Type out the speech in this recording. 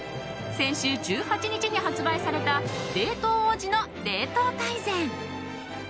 先週１８日に発売された「冷凍王子の冷凍大全」。